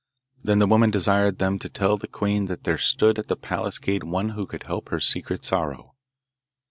Then the woman desired them to tell the queen that there stood at the palace gate one who would help her secret sorrow.